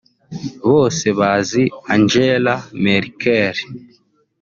bose bazi Angela Merkel